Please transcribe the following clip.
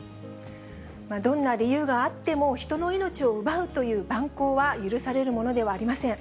どんな理由があっても、人の命を奪うという蛮行は許されるものではありません。